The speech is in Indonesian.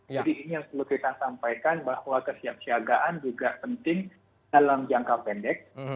jadi ini yang perlu kita sampaikan bahwa kesiapsiagaan juga penting dalam jangka pendek